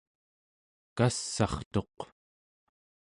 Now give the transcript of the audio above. kass'artuq